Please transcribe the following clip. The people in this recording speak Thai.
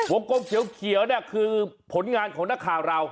กลมเขียวเนี่ยคือผลงานของนักข่าวเรา